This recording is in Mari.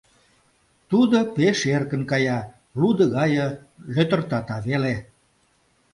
Тудо пеш эркын кая, лудо гае лӧтыртата веле.